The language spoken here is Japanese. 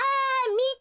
みて！